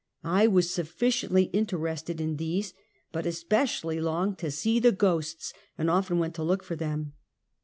I was sufficiently inter ested in these, but especially longed to see the ghosts, and often went to look for them.